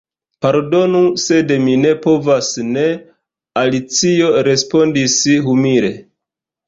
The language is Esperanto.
"Pardonu, sed mi ne povas ne," Alicio respondis humile.